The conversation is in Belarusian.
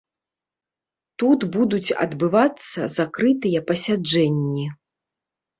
Тут будуць адбывацца закрытыя пасяджэнні.